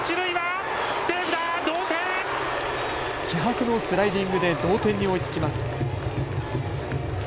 気迫のスライディングで同点に追いつきます。